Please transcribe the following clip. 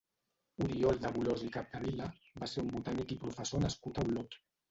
Oriol de Bolòs i Capdevila va ser un botànic i professor nascut a Olot.